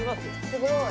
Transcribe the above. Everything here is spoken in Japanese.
すごい。